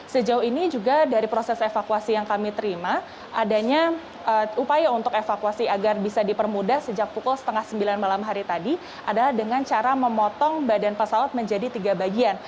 sejauh ini juga dari proses evakuasi yang kami terima adanya upaya untuk evakuasi agar bisa dipermudah sejak pukul setengah sembilan malam hari tadi adalah dengan cara memotong badan pesawat menjadi tiga bagian